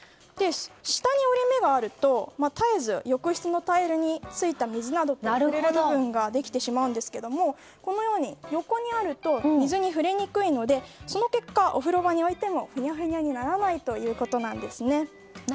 下に折り目があると浴室のタイルについた水などに折り目の部分ができてしまうんですけどこのように横にあると水に触れにくいのでその結果、お風呂場に置いてもふにゃふにゃにならないんです。